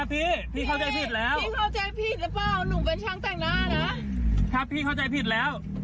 พี่หนุ่มเป็นช่างแต่งหน้านะ